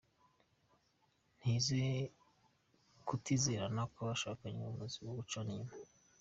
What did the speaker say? Kutizerana kw’abashakanye, umuzi wo gucana inyuma